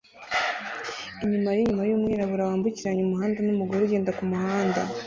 Inyuma yinyuma yumwirabura wambukiranya umuhanda numugore ugenda kumuhanda